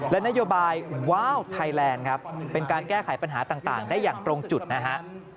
และนโยบายว้าวไทยแลนด์ครับเป็นการแก้ไขปัญหาต่างได้อย่างตรงจุดนะฮะ